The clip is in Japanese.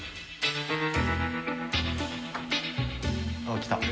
あっ来た。